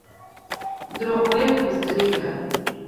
دروغ ویل بزدلي ده